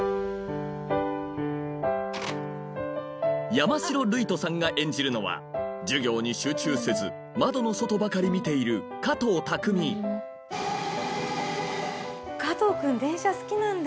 山城琉飛さんが演じるのは授業に集中せず窓の外ばかり見ている加藤君電車好きなんだ。